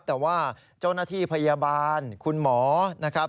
แต่ว่าเจ้าหน้าที่พยาบาลคุณหมอนะครับ